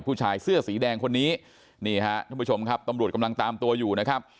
ผู้ชายเสื้อสีแดงคนนี้นี่ฮะท่านผู้ชมครับตำรวจกำลังตามตัวอยู่นะครับ